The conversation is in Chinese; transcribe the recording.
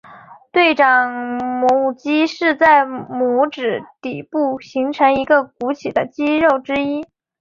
对掌拇肌是在拇指底部形成一个鼓起的肌肉之一。